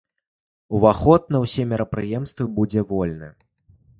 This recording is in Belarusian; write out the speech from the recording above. Уваход на ўсе мерапрыемствы будзе вольным.